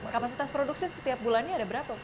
kapasitas produksi setiap bulannya ada berapa